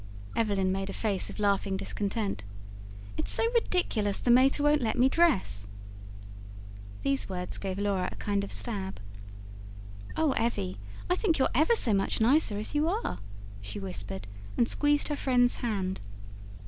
Evelyn made a face of laughing discontent. "It's so ridiculous the mater won't let me dress." These words gave Laura a kind of stab. "Oh Evvy, I think you're EVER so much nicer as you are," she whispered, and squeezed her friend's hand.